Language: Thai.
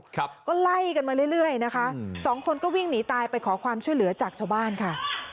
ครับก็ไล่กันมาเรื่อยเรื่อยนะคะอืมสองคนก็วิ่งหนีตายไปขอความช่วยเหลือจากชาวบ้านค่ะ